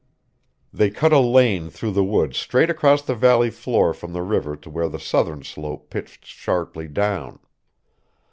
They cut a lane through the woods straight across the valley floor from the river to where the southern slope pitched sharply down.